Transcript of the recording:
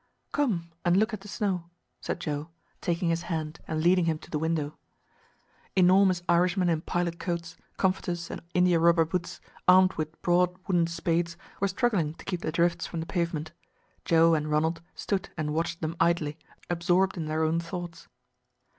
"Come and look at the snow," said Joe, taking his hand and leading him to the window. Enormous Irishmen in pilot coats, comforters, and india rubber boots, armed with broad wooden spades, were struggling to keep the drifts from the pavement. Joe and Ronald stood and watched them idly, absorbed in their own thoughts.